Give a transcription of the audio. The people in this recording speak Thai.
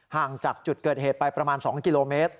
ห่างจากจุดเกิดเหตุไปประมาณ๒กิโลเมตร